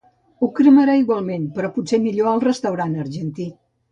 Ho cremarà igualment, però potser millor al restaurant argentí.